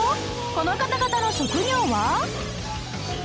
この方々の職業は？